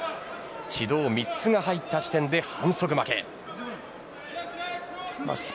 指導３つが入った時点で反則負けです。